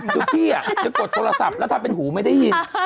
คือพี่จะกดโทรศัพท์แล้วถ้าเป็นหูไม่ได้ยิน